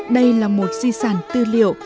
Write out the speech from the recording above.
đây là một di sản tư liệu